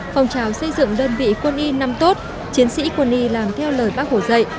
phong trào xây dựng đơn vị quân y năm tốt chiến sĩ quân y làm theo lời bác hồ dạy